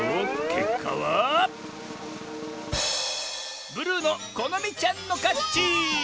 けっかはブルーのこのみちゃんのかち！